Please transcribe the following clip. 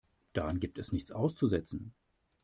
Daran gibt es nichts auszusetzen.